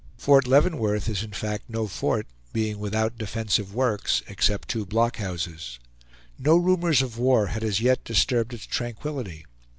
Fort Leavenworth is in fact no fort, being without defensive works, except two block houses. No rumors of war had as yet disturbed its tranquillity.